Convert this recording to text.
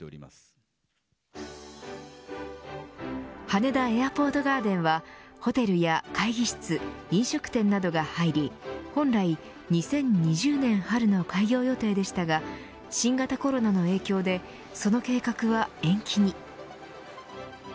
羽田エアポートガーデンはホテルや会議室飲食店などが入り本来２０２０年春の開業予定でしたが新型コロナの影響でその計画は延期に。